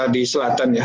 di selatan ya